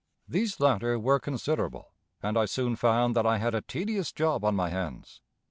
These latter were considerable, and I soon found that I had a tedious job on my hands.